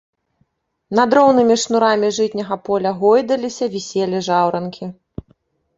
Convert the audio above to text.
Над роўнымі шнурамі жытняга поля гойдаліся, віселі жаўранкі.